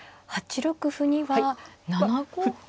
８六歩には７五。